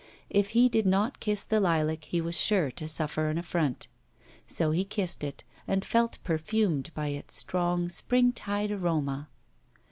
If he did not kiss the lilac he was sure to suffer an affront. So he kissed it and felt perfumed by its strong springtide aroma.